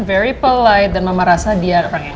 very polite dan mama rasa dia